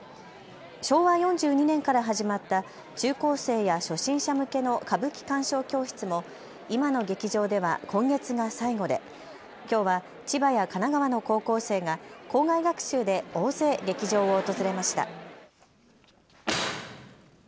昭和４２年から始まった中高生や初心者向けの歌舞伎鑑賞教室も今の劇場では今月が最後できょうは千葉や神奈川の高校生が校外学習で大勢、劇場を訪れました。